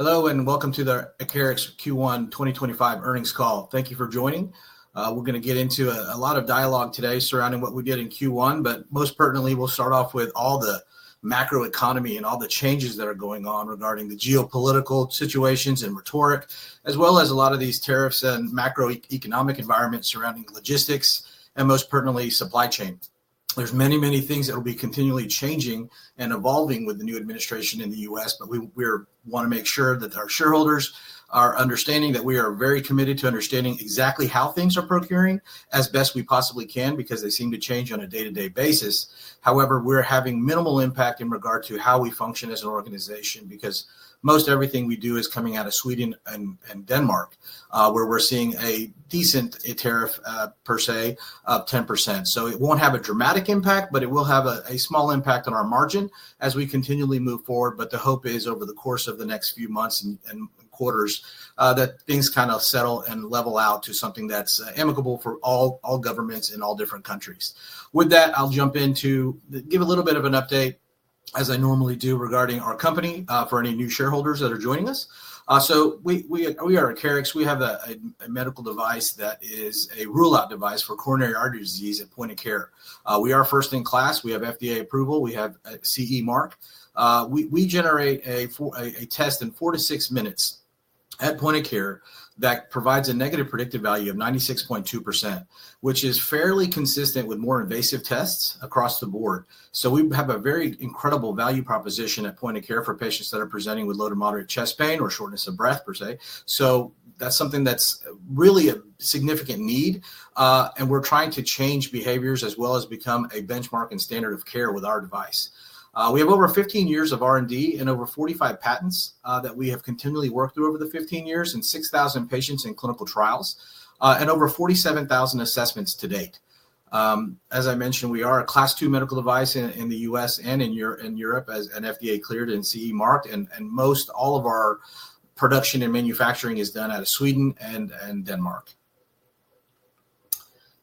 Hello, and welcome to the Acarix Q1 2025 Earnings Call. Thank you for joining. We're going to get into a lot of dialogue today surrounding what we did in Q1, but most pertinently, we'll start off with all the macroeconomy and all the changes that are going on regarding the geopolitical situations and rhetoric, as well as a lot of these tariffs and macroeconomic environments surrounding logistics and, most pertinently, supply chain. There are many, many things that will be continually changing and evolving with the new administration in the U.S., but we want to make sure that our shareholders are understanding that we are very committed to understanding exactly how things are procuring as best we possibly can because they seem to change on a day-to-day basis. However, we're having minimal impact in regard to how we function as an organization because most everything we do is coming out of Sweden and Denmark, where we're seeing a decent tariff, per se, of 10%. It won't have a dramatic impact, but it will have a small impact on our margin as we continually move forward. The hope is, over the course of the next few months and quarters, that things kind of settle and level out to something that's amicable for all governments in all different countries. With that, I'll jump in to give a little bit of an update, as I normally do, regarding our company for any new shareholders that are joining us. We are Acarix. We have a medical device that is a rule-out device for coronary artery disease at point of care. We are first in class. We have FDA approval. We have CE mark. We generate a test in four to six minutes at point of care that provides a negative predictive value of 96.2%, which is fairly consistent with more invasive tests across the board. We have a very incredible value proposition at point of care for patients that are presenting with low to moderate chest pain or shortness of breath, per se. That is something that is really a significant need, and we are trying to change behaviors as well as become a benchmark and standard of care with our device. We have over 15 years of R&D and over 45 patents that we have continually worked through over the 15 years and 6,000 patients in clinical trials and over 47,000 assessments to date. As I mentioned, we are a class two medical device in the U.S. and in Europe as an FDA-cleared and CE marked, and most all of our production and manufacturing is done out of Sweden and Denmark.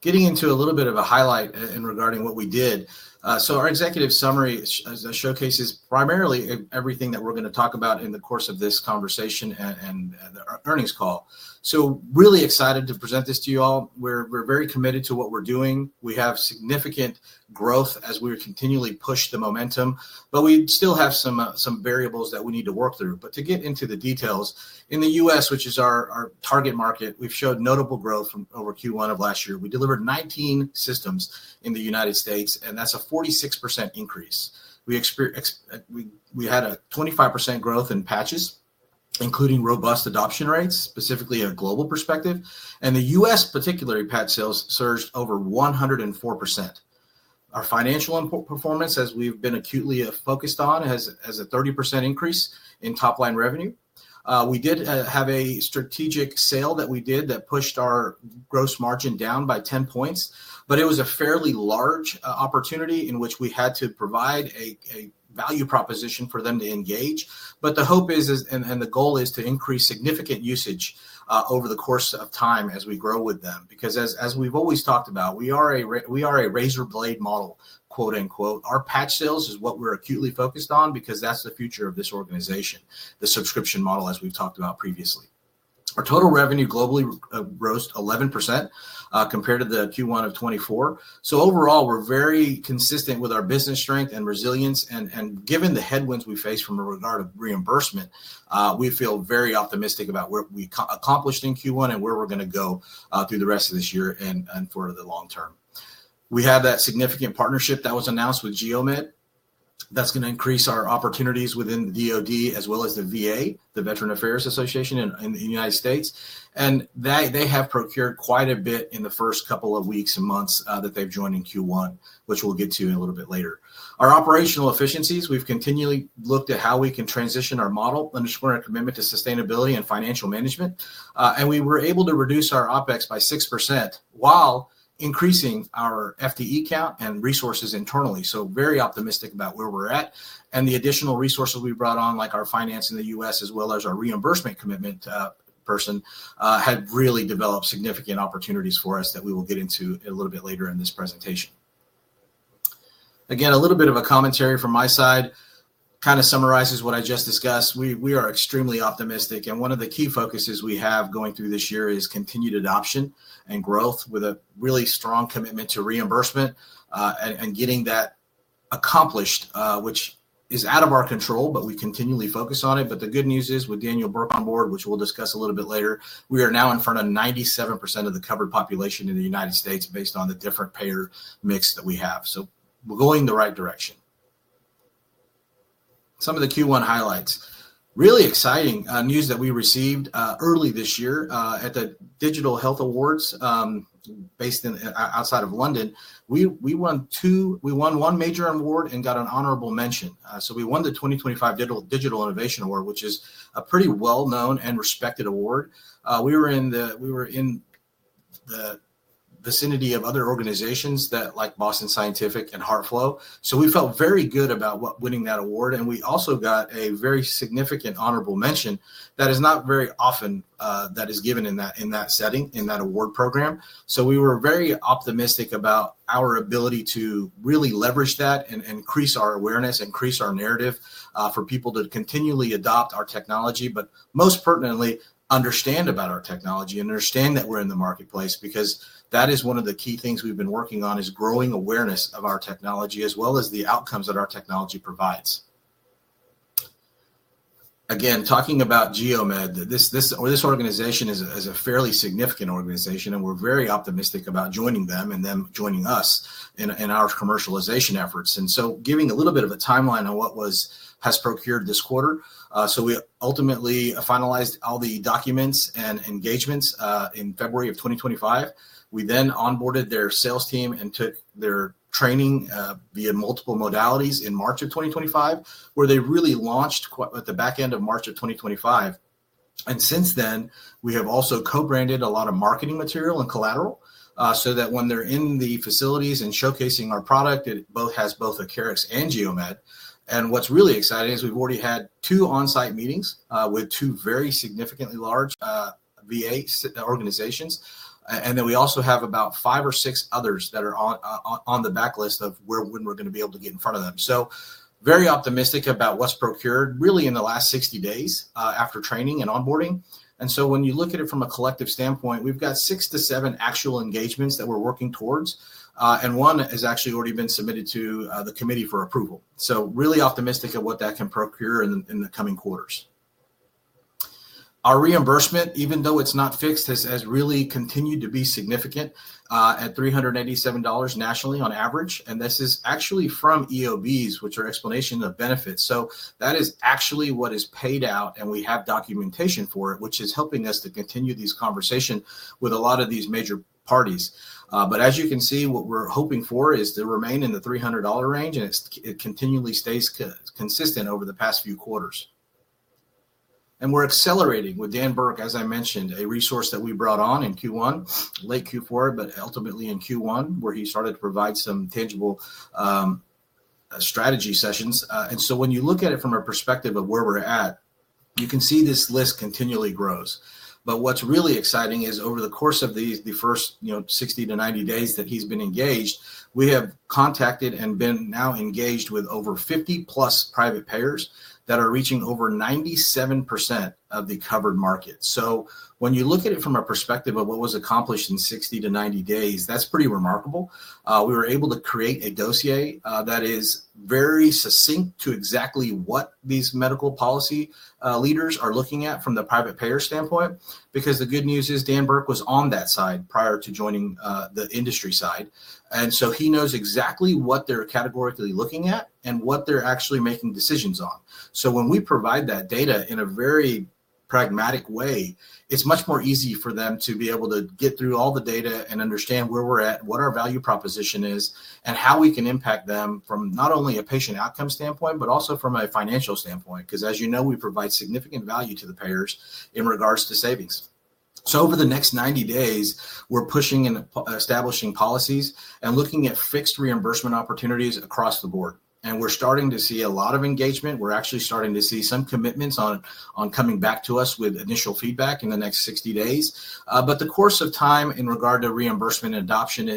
Getting into a little bit of a highlight regarding what we did. Our executive summary showcases primarily everything that we're going to talk about in the course of this conversation and the earnings call. Really excited to present this to you all. We're very committed to what we're doing. We have significant growth as we continually push the momentum, but we still have some variables that we need to work through. To get into the details, in the U.S., which is our target market, we've showed notable growth over Q1 of last year. We delivered 19 systems in the United States, and that's a 46% increase. We had a 25% growth in patches, including robust adoption rates, specifically a global perspective. In the U.S., particularly, patch sales surged over 104%. Our financial performance, as we've been acutely focused on, has a 30% increase in top-line revenue. We did have a strategic sale that we did that pushed our gross margin down by 10 percentage points, but it was a fairly large opportunity in which we had to provide a value proposition for them to engage. The hope is, and the goal is, to increase significant usage over the course of time as we grow with them because, as we've always talked about, we are a razor-blade model, quote unquote. Our patch sales is what we're acutely focused on because that's the future of this organization, the subscription model, as we've talked about previously. Our total revenue globally rose 11% compared to the Q1 of 2024. Overall, we're very consistent with our business strength and resilience. Given the headwinds we face from a regard of reimbursement, we feel very optimistic about what we accomplished in Q1 and where we're going to go through the rest of this year and for the long term. We have that significant partnership that was announced with Geo-Med that's going to increase our opportunities within the DOD as well as the VA, the Veteran Affairs Association in the United States. They have procured quite a bit in the first couple of weeks and months that they've joined in Q1, which we'll get to a little bit later. Our operational efficiencies, we've continually looked at how we can transition our model, underscoring our commitment to sustainability and financial management. We were able to reduce our OpEx by 6% while increasing our FTE count and resources internally. Very optimistic about where we're at. The additional resources we brought on, like our finance in the U.S. as well as our reimbursement commitment person, have really developed significant opportunities for us that we will get into a little bit later in this presentation. Again, a little bit of a commentary from my side kind of summarizes what I just discussed. We are extremely optimistic, and one of the key focuses we have going through this year is continued adoption and growth with a really strong commitment to reimbursement and getting that accomplished, which is out of our control, but we continually focus on it. The good news is, with Daniel Burke on board, which we'll discuss a little bit later, we are now in front of 97% of the covered population in the United States based on the different payer mix that we have. We're going the right direction. Some of the Q1 highlights. Really exciting news that we received early this year at the Digital Health Awards based outside of London. We won one major award and got an honorable mention. We won the 2025 Digital Innovation Award, which is a pretty well-known and respected award. We were in the vicinity of other organizations like Boston Scientific and HeartFlow. We felt very good about winning that award. We also got a very significant honorable mention that is not very often given in that setting, in that award program. We were very optimistic about our ability to really leverage that and increase our awareness, increase our narrative for people to continually adopt our technology, but most pertinently, understand about our technology and understand that we're in the marketplace because that is one of the key things we've been working on, is growing awareness of our technology as well as the outcomes that our technology provides. Again, talking about Geo-Med, this organization is a fairly significant organization, and we're very optimistic about joining them and them joining us in our commercialization efforts. Giving a little bit of a timeline on what has procured this quarter. We ultimately finalized all the documents and engagements in February of 2025. We then onboarded their sales team and took their training via multiple modalities in March of 2025, where they really launched at the back end of March of 2025. Since then, we have also co-branded a lot of marketing material and collateral so that when they're in the facilities and showcasing our product, it has both Acarix and Geo-Med . What's really exciting is we've already had two on-site meetings with two very significantly large VA organizations. We also have about five or six others that are on the back list of when we're going to be able to get in front of them. Very optimistic about what's procured really in the last 60 days after training and onboarding. When you look at it from a collective standpoint, we've got six to seven actual engagements that we're working towards, and one has actually already been submitted to the committee for approval. Really optimistic of what that can procure in the coming quarters. Our reimbursement, even though it's not fixed, has really continued to be significant at $387 nationally on average. This is actually from EOBs, which are explanations of benefits. That is actually what is paid out, and we have documentation for it, which is helping us to continue these conversations with a lot of these major parties. As you can see, what we're hoping for is to remain in the $300 range, and it continually stays consistent over the past few quarters. We're accelerating with Dan Burke, as I mentioned, a resource that we brought on in Q1, late Q4, but ultimately in Q1, where he started to provide some tangible strategy sessions. When you look at it from a perspective of where we're at, you can see this list continually grows. What is really exciting is over the course of the first 60 days-90 days that he has been engaged, we have contacted and been now engaged with over 50+ private payers that are reaching over 97% of the covered market. When you look at it from a perspective of what was accomplished in 60 days-90 days, that is pretty remarkable. We were able to create a dossier that is very succinct to exactly what these medical policy leaders are looking at from the private payer standpoint because the good news is Dan Burke was on that side prior to joining the industry side. He knows exactly what they are categorically looking at and what they are actually making decisions on. When we provide that data in a very pragmatic way, it's much more easy for them to be able to get through all the data and understand where we're at, what our value proposition is, and how we can impact them from not only a patient outcome standpoint, but also from a financial standpoint because, as you know, we provide significant value to the payers in regards to savings. Over the next 90 days, we're pushing and establishing policies and looking at fixed reimbursement opportunities across the board. We're starting to see a lot of engagement. We're actually starting to see some commitments on coming back to us with initial feedback in the next 60 days. The course of time in regard to reimbursement adoption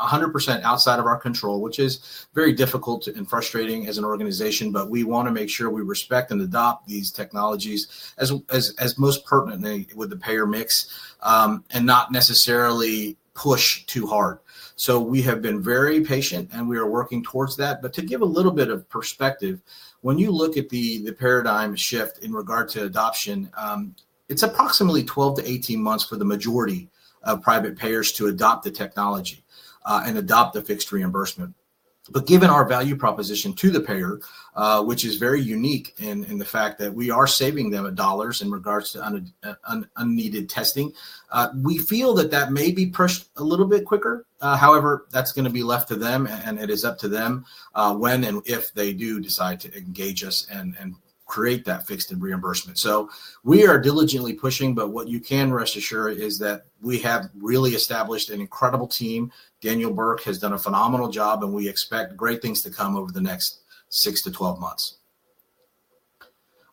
is 100% outside of our control, which is very difficult and frustrating as an organization, but we want to make sure we respect and adopt these technologies as most pertinently with the payer mix and not necessarily push too hard. We have been very patient, and we are working towards that. To give a little bit of perspective, when you look at the paradigm shift in regard to adoption, it's approximately 12 months-18 months for the majority of private payers to adopt the technology and adopt the fixed reimbursement. Given our value proposition to the payer, which is very unique in the fact that we are saving them dollars in regards to unneeded testing, we feel that that may be pushed a little bit quicker. However, that's going to be left to them, and it is up to them when and if they do decide to engage us and create that fixed reimbursement. We are diligently pushing, but what you can rest assured is that we have really established an incredible team. Daniel Burke has done a phenomenal job, and we expect great things to come over the next 6 months-12 months.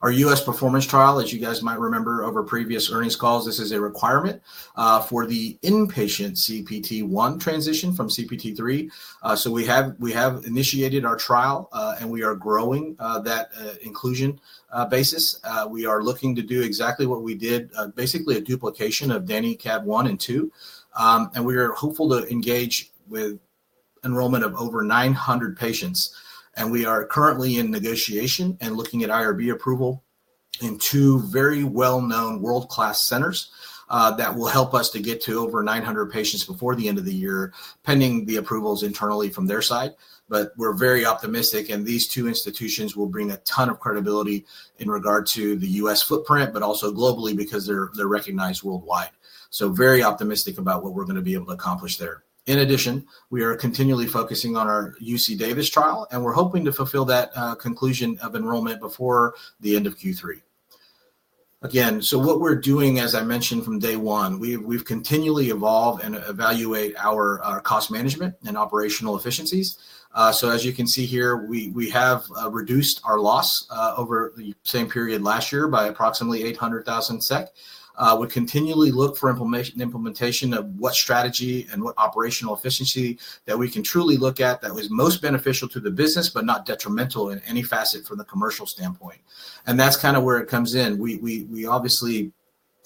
Our U.S. performance trial, as you guys might remember over previous earnings calls, this is a requirement for the inpatient CPT-I transition from CPT-III. We have initiated our trial, and we are growing that inclusion basis. We are looking to do exactly what we did, basically a duplication of DAN-NICAD 1 and 2. We are hopeful to engage with enrollment of over 900 patients. We are currently in negotiation and looking at IRB approval in two very well-known world-class centers that will help us to get to over 900 patients before the end of the year, pending the approvals internally from their side. We are very optimistic, and these two institutions will bring a ton of credibility in regard to the U.S. footprint, but also globally because they are recognized worldwide. We are very optimistic about what we are going to be able to accomplish there. In addition, we are continually focusing on our UC Davis trial, and we are hoping to fulfill that conclusion of enrollment before the end of Q3. Again, what we are doing, as I mentioned from day one, we have continually evolved and evaluated our cost management and operational efficiencies. As you can see here, we have reduced our loss over the same period last year by approximately 800,000 SEK. We continually look for implementation of what strategy and what operational efficiency that we can truly look at that was most beneficial to the business, but not detrimental in any facet from the commercial standpoint. That is kind of where it comes in. We obviously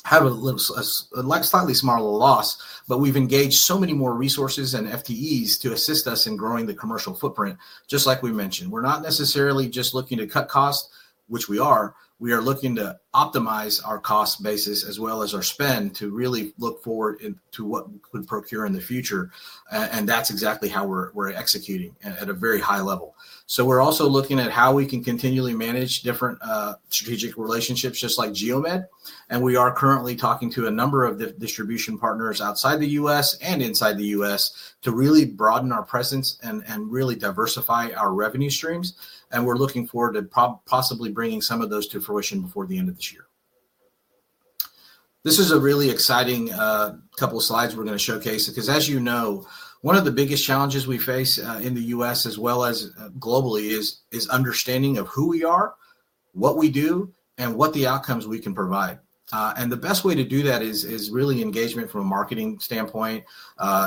have a slightly smaller loss, but we have engaged so many more resources and FTEs to assist us in growing the commercial footprint, just like we mentioned. We are not necessarily just looking to cut costs, which we are. We are looking to optimize our cost basis as well as our spend to really look forward to what we could procure in the future. That is exactly how we are executing at a very high level. We are also looking at how we can continually manage different strategic relationships just like Geo-Med. We are currently talking to a number of distribution partners outside the U.S. and inside the U.S. to really broaden our presence and really diversify our revenue streams. We are looking forward to possibly bringing some of those to fruition before the end of this year. This is a really exciting couple of slides we are going to showcase because, as you know, one of the biggest challenges we face in the U.S. as well as globally is understanding of who we are, what we do, and what the outcomes we can provide. The best way to do that is really engagement from a marketing standpoint,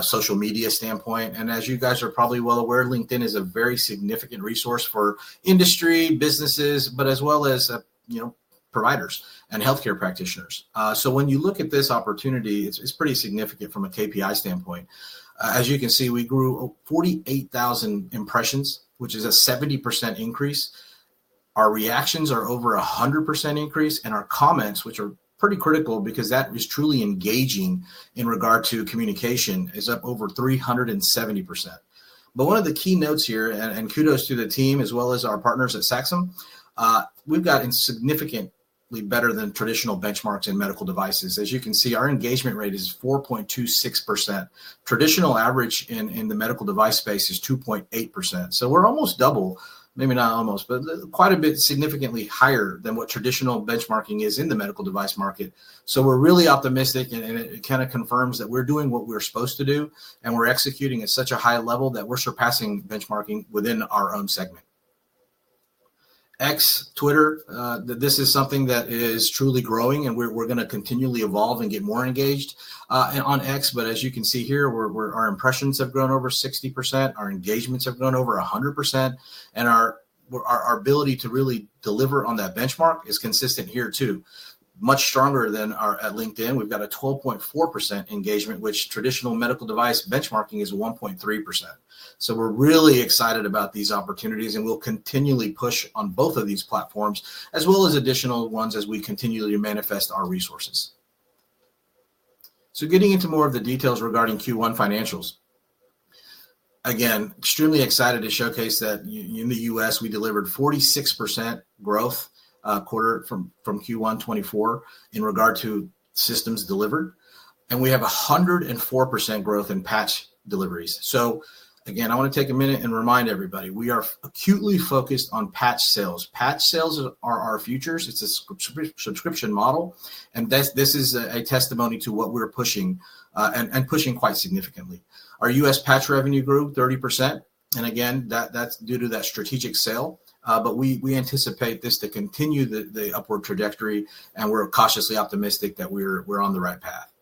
social media standpoint. As you guys are probably well aware, LinkedIn is a very significant resource for industry, businesses, but as well as providers and healthcare practitioners. When you look at this opportunity, it is pretty significant from a KPI standpoint. As you can see, we grew 48,000 impressions, which is a 70% increase. Our reactions are over 100% increase, and our comments, which are pretty critical because that is truly engaging in regard to communication, is up over 370%. One of the key notes here, and kudos to the team as well as our partners at Saxom, we've gotten significantly better than traditional benchmarks in medical devices. As you can see, our engagement rate is 4.26%. Traditional average in the medical device space is 2.8%. We're almost double, maybe not almost, but quite a bit significantly higher than what traditional benchmarking is in the medical device market. We're really optimistic, and it kind of confirms that we're doing what we're supposed to do, and we're executing at such a high level that we're surpassing benchmarking within our own segment. X, Twitter, this is something that is truly growing, and we're going to continually evolve and get more engaged. On X, as you can see here, our impressions have grown over 60%. Our engagements have grown over 100%, and our ability to really deliver on that benchmark is consistent here too, much stronger than at LinkedIn. We've got a 12.4% engagement, which traditional medical device benchmarking is 1.3%. We are really excited about these opportunities, and we'll continually push on both of these platforms as well as additional ones as we continually manifest our resources. Getting into more of the details regarding Q1 financials. Again, extremely excited to showcase that in the U.S., we delivered 46% growth quarter from Q1 2024 in regard to systems delivered. We have 104% growth in patch deliveries. Again, I want to take a minute and remind everybody, we are acutely focused on patch sales. Patch sales are our future. It is a subscription model. This is a testimony to what we are pushing and pushing quite significantly. Our U.S. patch revenue grew 30%. That is due to that strategic sale. We anticipate this to continue the upward trajectory, and we are cautiously optimistic that we are on the right path.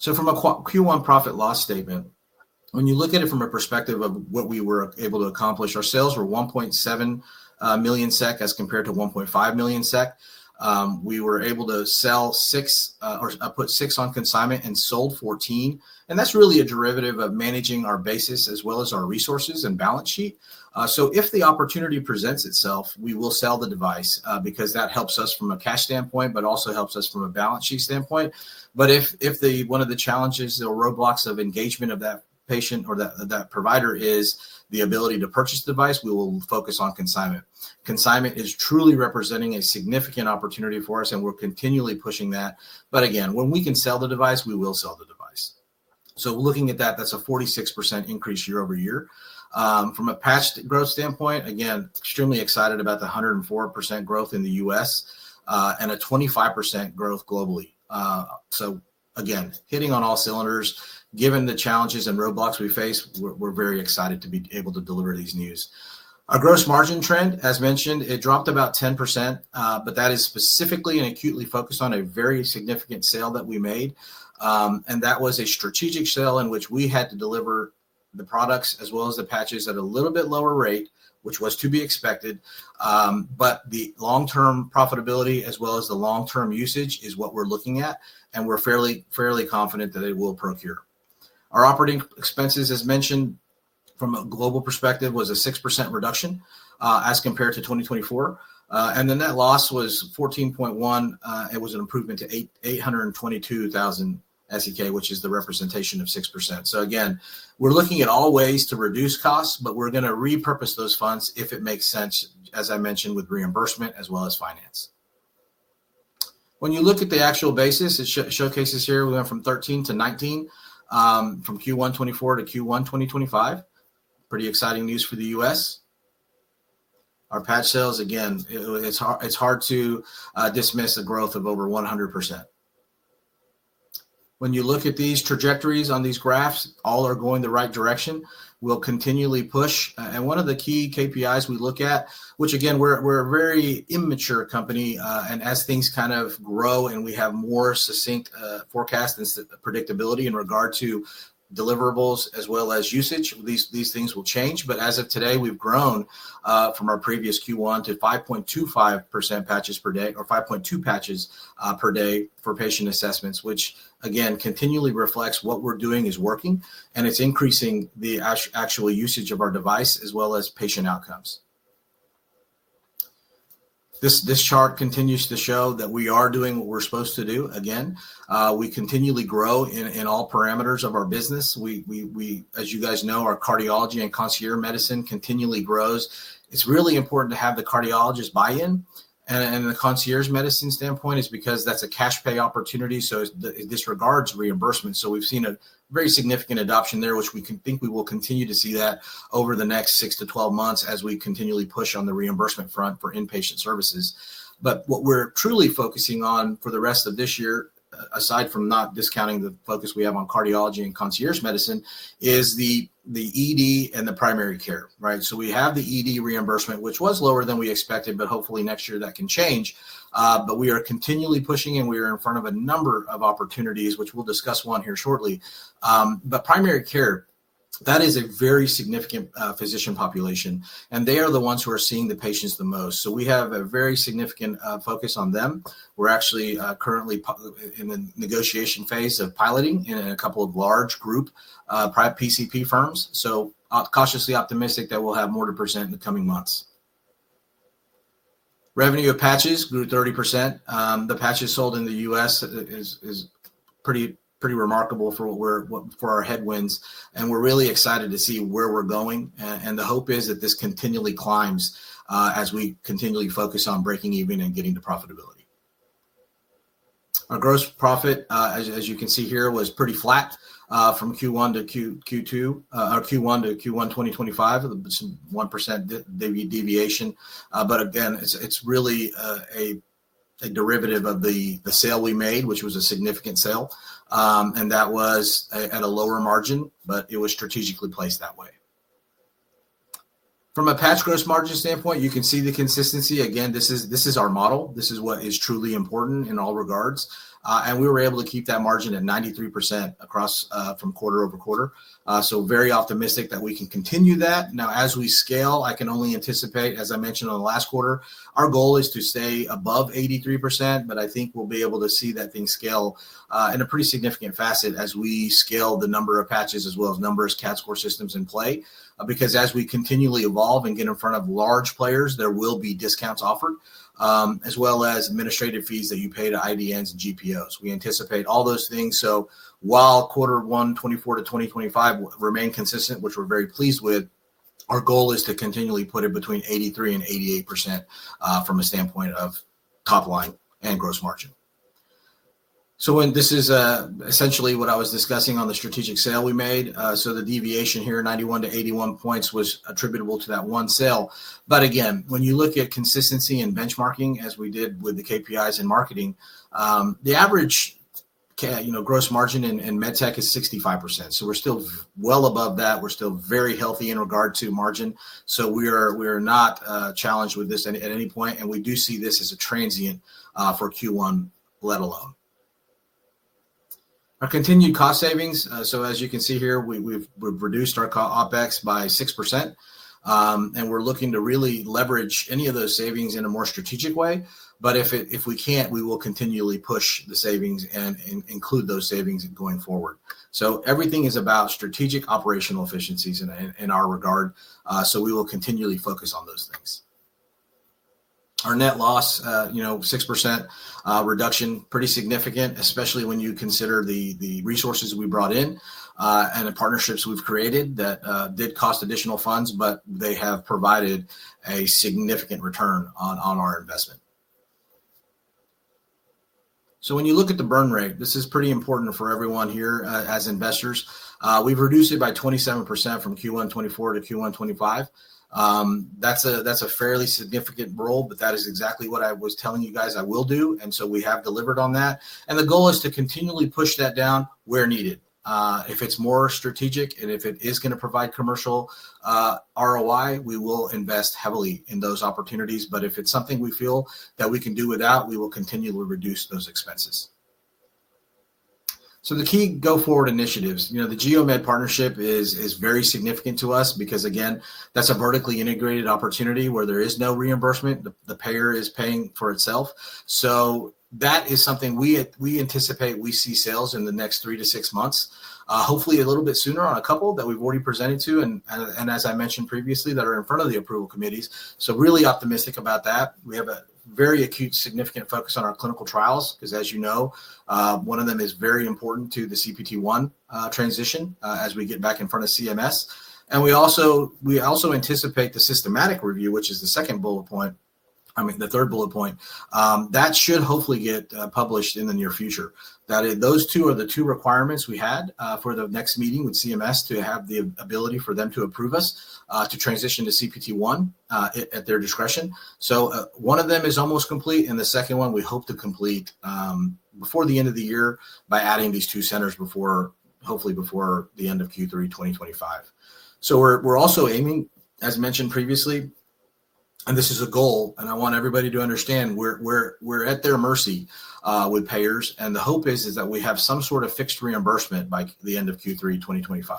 From a Q1 profit loss statement, when you look at it from a perspective of what we were able to accomplish, our sales were 1.7 million SEK as compared to 1.5 million SEK. We were able to sell six or put six on consignment and sold 14. That is really a derivative of managing our basis as well as our resources and balance sheet. If the opportunity presents itself, we will sell the device because that helps us from a cash standpoint, but also helps us from a balance sheet standpoint. If one of the challenges or roadblocks of engagement of that patient or that provider is the ability to purchase the device, we will focus on consignment. Consignment is truly representing a significant opportunity for us, and we're continually pushing that. Again, when we can sell the device, we will sell the device. Looking at that, that's a 46% increase year over year. From a patch growth standpoint, again, extremely excited about the 104% growth in the U.S. and a 25% growth globally. Again, hitting on all cylinders, given the challenges and roadblocks we face, we're very excited to be able to deliver these news. Our gross margin trend, as mentioned, it dropped about 10%, but that is specifically and acutely focused on a very significant sale that we made. That was a strategic sale in which we had to deliver the products as well as the patches at a little bit lower rate, which was to be expected. The long-term profitability as well as the long-term usage is what we're looking at, and we're fairly confident that it will procure. Our operating expenses, as mentioned, from a global perspective, was a 6% reduction as compared to 2024. The net loss was 14.1. It was an improvement to 822,000 SEK, which is the representation of 6%. Again, we're looking at all ways to reduce costs, but we're going to repurpose those funds if it makes sense, as I mentioned, with reimbursement as well as finance. When you look at the actual basis, it showcases here we went from 13 to 19 from Q1 2024 to Q1 2025. Pretty exciting news for the U.S.. Our patch sales, again, it's hard to dismiss a growth of over 100%. When you look at these trajectories on these graphs, all are going the right direction. We'll continually push. One of the key KPIs we look at, which again, we're a very immature company. As things kind of grow and we have more succinct forecasts and predictability in regard to deliverables as well as usage, these things will change. As of today, we've grown from our previous Q1 to 5.25% patches per day or 5.2 patches per day for patient assessments, which again, continually reflects what we're doing is working, and it's increasing the actual usage of our device as well as patient outcomes. This chart continues to show that we are doing what we're supposed to do. Again, we continually grow in all parameters of our business. As you guys know, our cardiology and concierge medicine continually grows. It's really important to have the cardiologist buy-in. The concierge medicine standpoint is because that's a cash pay opportunity. It disregards reimbursement. We've seen a very significant adoption there, which we think we will continue to see over the next 6 months-12 months as we continually push on the reimbursement front for inpatient services. What we're truly focusing on for the rest of this year, aside from not discounting the focus we have on cardiology and concierge medicine, is the ED and the primary care, right? We have the ED reimbursement, which was lower than we expected, but hopefully next year that can change. We are continually pushing, and we are in front of a number of opportunities, which we'll discuss one here shortly. Primary care, that is a very significant physician population, and they are the ones who are seeing the patients the most. We have a very significant focus on them. We're actually currently in the negotiation phase of piloting in a couple of large group PCP firms. Cautiously optimistic that we'll have more to present in the coming months. Revenue of patches grew 30%. The patches sold in the U.S. is pretty remarkable for our headwinds. We're really excited to see where we're going. The hope is that this continually climbs as we continually focus on breaking even and getting to profitability. Our gross profit, as you can see here, was pretty flat from Q1 to Q2 or Q1 to Q1 2025, 1% deviation. Again, it's really a derivative of the sale we made, which was a significant sale. That was at a lower margin, but it was strategically placed that way. From a patch gross margin standpoint, you can see the consistency. Again, this is our model. This is what is truly important in all regards. We were able to keep that margin at 93% across from quarter over quarter. Very optimistic that we can continue that. Now, as we scale, I can only anticipate, as I mentioned on the last quarter, our goal is to stay above 83%, but I think we'll be able to see that things scale in a pretty significant facet as we scale the number of patches as well as numbers, CADScor Systems in play. Because as we continually evolve and get in front of large players, there will be discounts offered as well as administrative fees that you pay to IDNs and GPOs. We anticipate all those things. While quarter one 2024- 2025 remain consistent, which we're very pleased with, our goal is to continually put it between 83%-88% from a standpoint of top line and gross margin. This is essentially what I was discussing on the strategic sale we made. The deviation here, 91-81 points, was attributable to that one sale. Again, when you look at consistency and benchmarking as we did with the KPIs and marketing, the average gross margin in MedTech is 65%. We're still well above that. We're still very healthy in regard to margin. We are not challenged with this at any point. We do see this as a transient for Q1, let alone. Our continued cost savings. As you can see here, we have reduced ourOpEx by 6%. We are looking to really leverage any of those savings in a more strategic way. If we cannot, we will continually push the savings and include those savings going forward. Everything is about strategic operational efficiencies in our regard. We will continually focus on those things. Our net loss, 6% reduction, pretty significant, especially when you consider the resources we brought in and the partnerships we have created that did cost additional funds, but they have provided a significant return on our investment. When you look at the burn rate, this is pretty important for everyone here as investors. We have reduced it by 27% from Q1 2024 to Q1 2025. That's a fairly significant role, but that is exactly what I was telling you guys I will do. And so we have delivered on that. The goal is to continually push that down where needed. If it's more strategic and if it is going to provide commercial ROI, we will invest heavily in those opportunities. If it's something we feel that we can do without, we will continually reduce those expenses. The key go forward initiatives, the Geo-Med partnership is very significant to us because, again, that's a vertically integrated opportunity where there is no reimbursement. The payer is paying for itself. That is something we anticipate we see sales in the next three to six months. Hopefully a little bit sooner on a couple that we've already presented to and as I mentioned previously, that are in front of the approval committees. Really optimistic about that. We have a very acute significant focus on our clinical trials because, as you know, one of them is very important to the CPT-I transition as we get back in front of CMS. We also anticipate the systematic review, which is the second bullet point, I mean, the third bullet point. That should hopefully get published in the near future. Those two are the two requirements we had for the next meeting with CMS to have the ability for them to approve us to transition to CPT-I at their discretion. One of them is almost complete, and the second one we hope to complete before the end of the year by adding these two centers hopefully before the end of Q3 2025. We're also aiming, as mentioned previously, and this is a goal, and I want everybody to understand we're at their mercy with payers. The hope is that we have some sort of fixed reimbursement by the end of Q3 2025.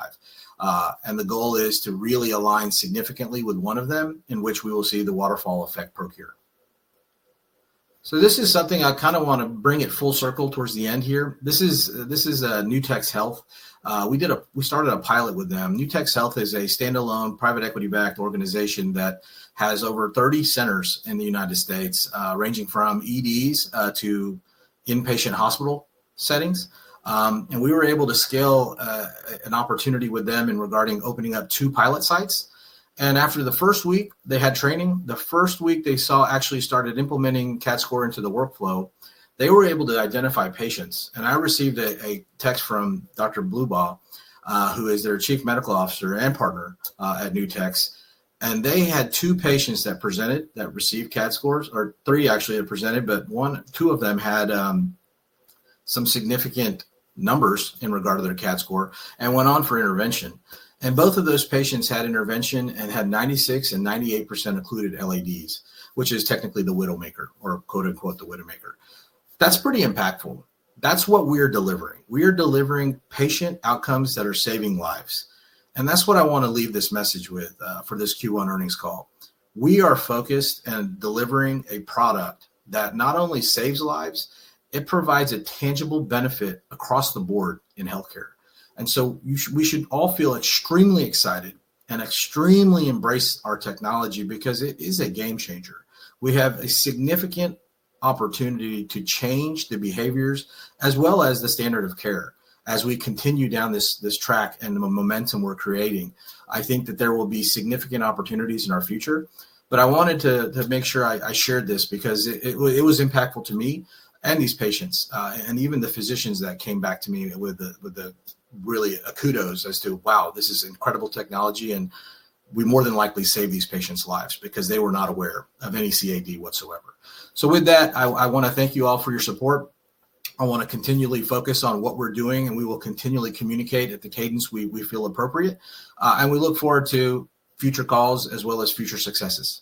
The goal is to really align significantly with one of them in which we will see the waterfall effect procure. This is something I kind of want to bring full circle towards the end here. This is New Tech Health. We started a pilot with them. New Tech Health is a standalone private equity-backed organization that has over 30 centers in the United States, ranging from EDs to inpatient hospital settings. We were able to scale an opportunity with them regarding opening up two pilot sites. After the first week they had training, the first week they actually started implementing CADScor into the workflow, they were able to identify patients. I received a text from Dr. Bluebaw, who is their Chief Medical Officer and partner at New Tech Health. They had three patients that presented that received CADScor, but two of them had some significant numbers in regard to their CADScor and went on for intervention. Both of those patients had intervention and had 96% and 98% occluded LADs, which is technically the widowmaker or quote-unquote the widowmaker. That is pretty impactful. That is what we are delivering. We are delivering patient outcomes that are saving lives. That is what I want to leave this message with for this Q1 earnings call. We are focused and delivering a product that not only saves lives, it provides a tangible benefit across the board in healthcare. We should all feel extremely excited and extremely embrace our technology because it is a game changer. We have a significant opportunity to change the behaviors as well as the standard of care as we continue down this track and the momentum we're creating. I think that there will be significant opportunities in our future. I wanted to make sure I shared this because it was impactful to me and these patients and even the physicians that came back to me with really a kudos as to, "Wow, this is incredible technology," and we more than likely save these patients' lives because they were not aware of any CAD whatsoever. With that, I want to thank you all for your support. I want to continually focus on what we're doing, and we will continually communicate at the cadence we feel appropriate. We look forward to future calls as well as future successes.